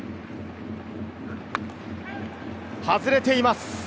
外れています。